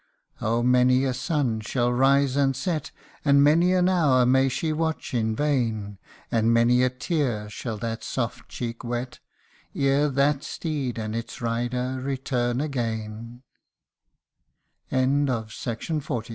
Oh ! many a sun shall rise and set, And many an hour may she watch in vain, And many a tear shall that soft cheek wet, Ere that steed and its rider return